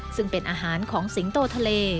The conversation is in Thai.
ซึ่งเป็นอาหารของสิงโตทะเล